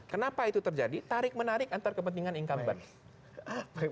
kenapa itu terjadi tarik menarik antar kepentingan income bank